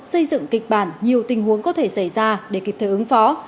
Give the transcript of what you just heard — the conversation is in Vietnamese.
xây dựng kịch bản nhiều tình huống có thể xảy ra để kịp thời ứng phó